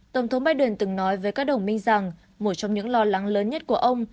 tổng thống biden từng nói với các đồng minh rằng một trong những lo lắng lớn nhất của ông